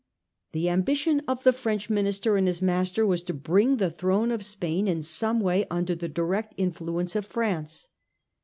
The ambition of the French minister and his master was to bring the throne of Spain in some way under the direct influence of France.